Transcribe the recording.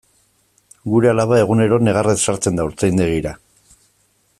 Gure alaba egunero negarrez sartzen da haurtzaindegira.